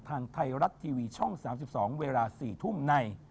ทางไทยรัฐทีวีช่อง๓๒เวลา๔ทุ่มใน